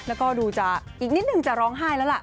แล้วก็ดูจะอีกนิดนึงจะร้องไห้แล้วล่ะ